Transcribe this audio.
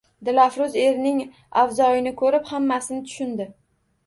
Dilafruz erining avzoyini ko`rib, hammasini tushundi